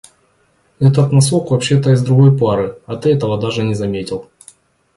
Этот носок вообще-то из другой пары, а ты этого даже не заметил.